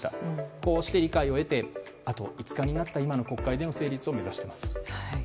こうして理解を得てあと５日になった今の国会での成立を目指しています。